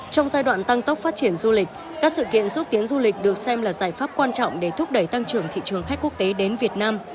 trong giai đoạn tăng tốc phát triển du lịch các sự kiện xúc tiến du lịch được xem là giải pháp quan trọng để thúc đẩy tăng trưởng thị trường khách quốc tế đến việt nam